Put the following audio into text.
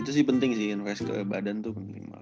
itu sih penting sih invest ke badan tuh